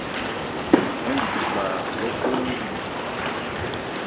Ńdu bha lɔ́phɔ́wo hromɛn.